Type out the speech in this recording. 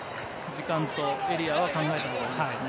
時間とエリアは考えたほうがいいですね。